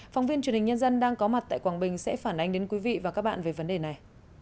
phóng viên truyền hình nhân dân đang có mặt tại quảng bình sẽ phản ánh đến quý vị và các bạn về vấn đề này